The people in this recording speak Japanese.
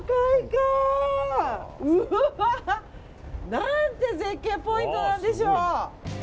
何て絶景ポイントなんでしょう。